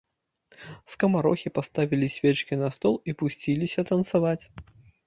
Скамарохі паставілі свечкі на стол і пусціліся танцаваць.